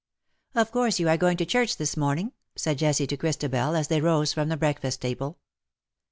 '^ Of course, yon are going to church this morning/' said Jessie to Christabel, as they rose from the breakfast table.